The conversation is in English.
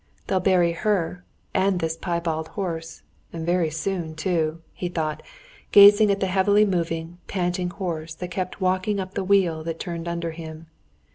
They'll bury her and this piebald horse, and very soon too," he thought, gazing at the heavily moving, panting horse that kept walking up the wheel that turned under him.